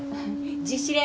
自主練。